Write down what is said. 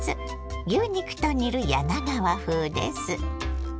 牛肉と煮る柳川風です。